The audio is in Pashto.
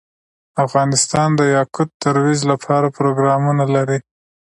افغانستان د یاقوت د ترویج لپاره پروګرامونه لري.